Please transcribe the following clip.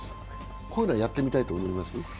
こういうのはやってみたいと思いますか？